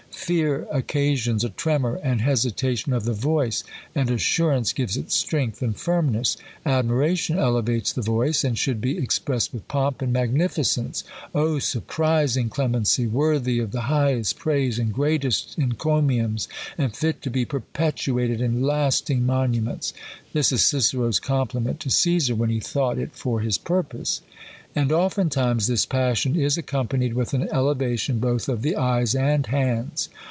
Fear occasions a tremor and hesitation o£ the voice, and assurance gives it strength and firm ness. Admiration elevates the voice, and should be ex pressed with pomp and magnificence. " O surprising clemency, worthy of the highest praise and greatest en comiums, and fit to be perpetuated in lasting monuments!'* This is Cicero's compliment to Cesar, when he thought it for his purpose. And oftentimes this passion is ac companied with an elevation both of the eyes and hands.